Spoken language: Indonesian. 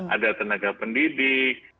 ada tenaga pendidik